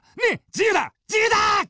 自由だ！